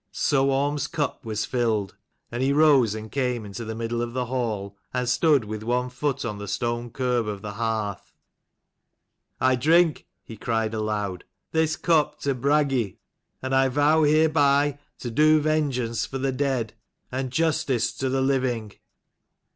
So Orm's cup was filled, and he rose and came into the middle of the hall, and stood with one foot on the stone curb of the hearth. "I drink," he cried aloud, "this cup to Bragi; and I vow hereby to do vengeance for the dead, and justice to the living."